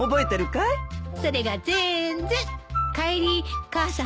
それがぜんぜん。